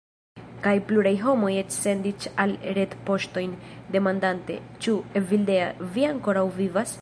Kaj pluraj homoj eĉ sendis al mi retpoŝtojn, demandante: ĉu, Evildea, vi ankoraŭ vivas?